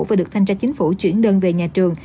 và được thanh tra chính phủ chuyển đơn về nhà trường